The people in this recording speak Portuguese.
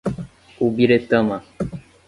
Ubiretama